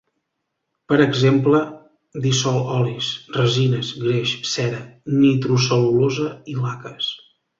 Per exemple, dissol olis, resines, greix, cera, nitrocel·lulosa i laques.